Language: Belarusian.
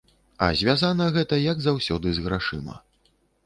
А звязана гэта, як заўсёды, з грашыма.